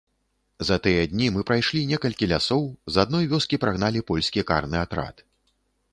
За тыя дні мы прайшлі некалькі лясоў, з адной вёскі прагналі польскі карны атрад.